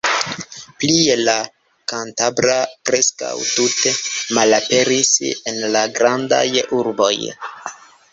Plie, la kantabra preskaŭ tute malaperis en la grandaj urboj.